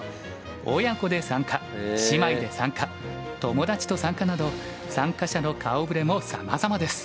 親子で参加姉妹で参加友達と参加など参加者の顔ぶれもさまざまです。